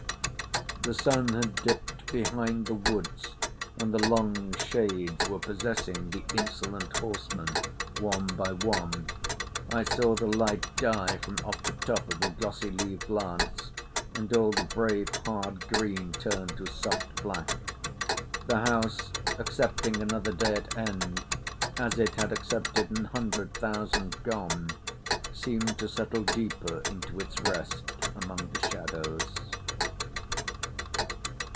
The sun had dipped behind the woods and the long shades were possessing the insolent horsemen one by one. I saw the light die from off the top of a glossy leaved lance and all the brave hard green turn to soft black. The house, accepting another day at end, as it had accepted an hundred thousand gone, seemed to settle deeper into its rest among the shadows.